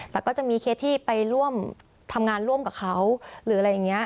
แต่ก็จะมีเคสที่ไปร่วมทำงานร่วมกับเขาหรืออะไรอย่างนี้